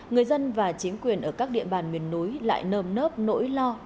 người dân và chính quyền ở các địa bàn miền núi lại nơm nớp nỗi lo